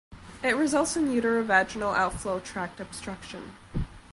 It results in uterovaginal outflow tract obstruction.